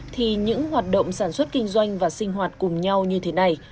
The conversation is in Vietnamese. thì những hoạt động sản xuất kinh doanh và sinh hoạt cùng nhau như thế này